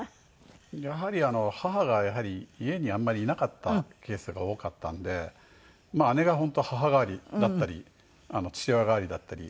やはり母が家にあんまりいなかったケースが多かったので姉が本当母代わりだったり父親代わりだったり。